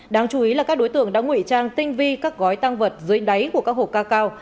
đáng chú ý là các đối tượng đã ngụy trang tinh vi các gói tăng vật dưới đáy của các hồ ca cao